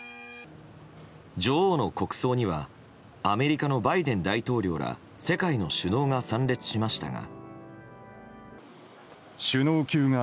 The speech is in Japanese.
女王の国葬にはアメリカのバイデン大統領ら世界の首脳が参列しましたが。